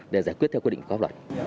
để giải quyết theo quy định góp loại